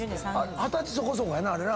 二十歳そこそこやなあれな。